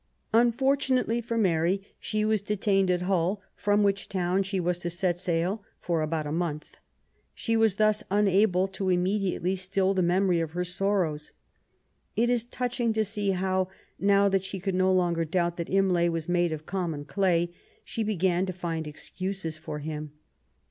Unfortunately for Mary, she was detained at Hull, from which town she was to set sail, for about a month. She was thus unable immediately to still the memory of her sorrows. It is touching to see how, now that she could no longer doubt that Imlay was made of common clay, she began to find excuses for him.